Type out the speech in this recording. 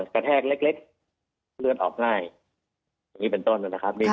แทกเล็กเลือดออกง่ายอย่างนี้เป็นต้นนะครับ